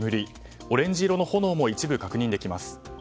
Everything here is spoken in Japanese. オレンジ色の炎も一部確認できます。